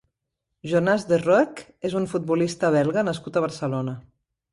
Jonas De Roeck és un futbolista belga nascut a Barcelona.